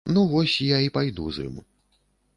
Ну вось, я і пайду з ім.